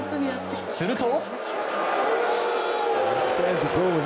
すると。